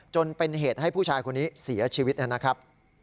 จนเป็นเหตุให้ผู้ชายคนนี้เสียชีวิตนะครับ